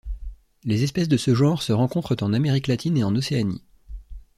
Les espèces de ce genre se rencontrent en Amérique latine et en Océanie.